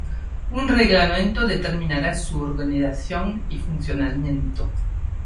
Un reglamento determinará su organización y funcionamiento.